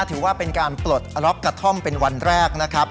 ถือว่าเป็นการปลดล็อกกระท่อมเป็นวันแรกนะครับ